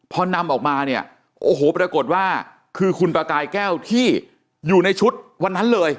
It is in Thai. พอนำออกมาเนี่ยโอ้โหปรากฏว่าคือคุณประกายแก้วที่อยู่ในชุดวันนั้นเลย